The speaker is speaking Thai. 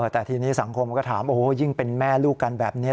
แต่ทีนี้สังคมก็ถามโอ้โหยิ่งเป็นแม่ลูกกันแบบนี้